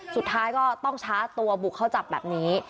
สุดท้ายก็ต้องช้าตัวบุกเข้าจับแบบนี้